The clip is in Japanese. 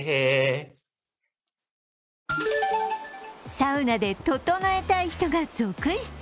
サウナで、ととのえたい人が続出